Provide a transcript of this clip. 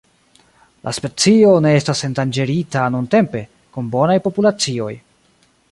La specio ne estas endanĝerita nuntempe, kun bonaj populacioj.